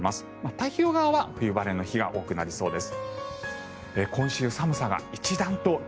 太平洋側は冬晴れの日が多くなりそうです。